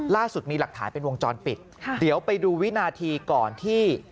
ล่าสุดมีหลักฐานเป็นวงจรปิดค่ะเดี๋ยวไปดูวินาทีก่อนที่